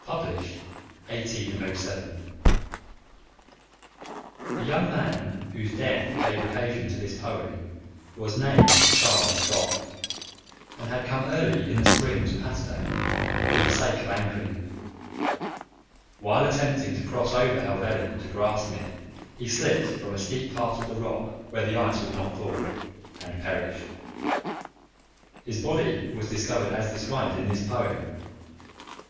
Published 1807 [The young man whose death gave occasion to this poem was named Charles Gough, and had come early in the spring to Patterdale for the sake of angling. While attempting to cross over Helvellyn to Grasmere he slipped from a steep part of the rock where the ice was not thawed, and perished. His body was discovered as described in this poem.